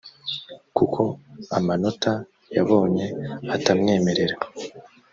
kuko amanota yabonye atamwemerera